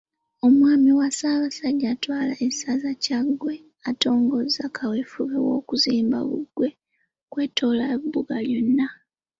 Omwami wa Ssaabasajja atwala essaza Kyaggwe, atongozza kaweefube w'okuzimba bbugwe okwetooloola Embuga yonna.